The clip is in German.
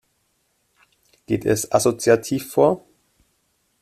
Geht es assoziativ vor?